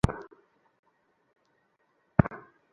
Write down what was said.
তুমি না গেলে আমিও যাবো না।